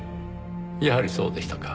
やはりそうでしたか。